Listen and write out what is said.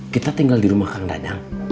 kita tinggal di rumah kang danang